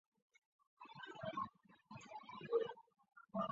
池袋站东口的巴士站请参照东池袋。